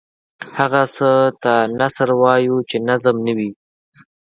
هغه څه ته نثر وايو چې نظم نه وي.